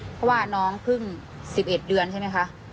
เพราะว่าน้องเพิ่ง๑๑เดือนใช่ไหมคะ